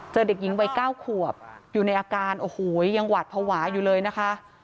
เด็กหญิงวัย๙ขวบอยู่ในอาการโอ้โหยังหวาดภาวะอยู่เลยนะคะ